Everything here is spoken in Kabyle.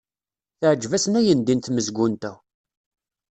Teɛjeb-asen ayendin tmezgunt-a.